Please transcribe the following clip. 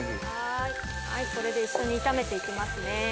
これで一緒に炒めて行きますね。